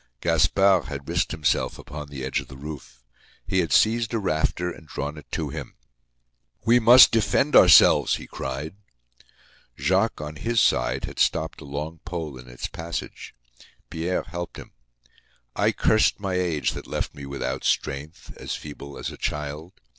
Gaspard had risked himself upon the edge of the roof. He had seized a rafter and drawn it to him. "We must defend ourselves," he cried. Jacques, on his side, had stopped a long pole in its passage. Pierre helped him. I cursed my age that left me without strength, as feeble as a child.